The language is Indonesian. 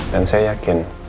dan saya yakin